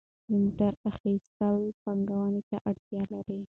د موټر اخیستل پانګونې ته اړتیا لري.